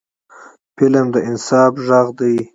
فلم د انصاف غږ دی